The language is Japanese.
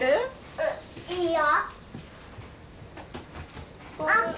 うんいいよ。